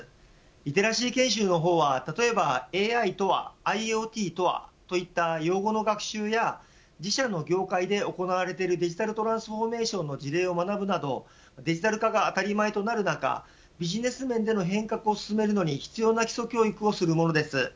リテラシー研修の方は例えばＡＩとはＩｏＴといった用語の学習や自社の業界で行われているデジタルトランスフォーメーションの事業などデジタル化が当たり前となる中ビジネス面での変革を進めるのに必要な基礎教育をするものです。